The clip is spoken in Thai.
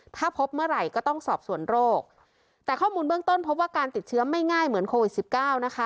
ถ้าพบเมื่อไหร่ก็ต้องสอบส่วนโรคแต่ข้อมูลเบื้องต้นพบว่าการติดเชื้อไม่ง่ายเหมือนโควิดสิบเก้านะคะ